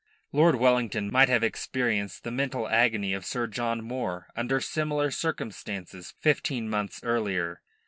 Lord Wellington might have experienced the mental agony of Sir John Moore under similar circumstances fifteen months earlier.